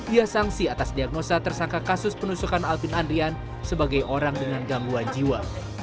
ia sangsi atas diagnosa tersangka kasus penusukan alvin andrian sebagai orang dengan gangguan jiwa